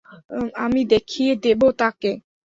আমি দেখিয়ে দিব তাকে।